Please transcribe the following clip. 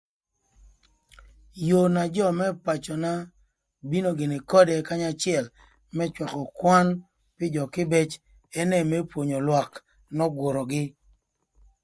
Yoo na jö më pacöna bino gïnï könyö kanya acël më cwakö kwan pï jö kïbëc ënë më pwonyo lwak n'ögürögï.